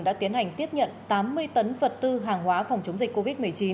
đã tiến hành tiếp nhận tám mươi tấn vật tư hàng hóa phòng chống dịch covid một mươi chín